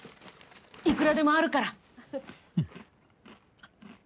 いくらでもあるから。